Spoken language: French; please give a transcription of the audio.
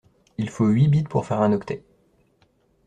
Il faut huit bits pour faire un octet.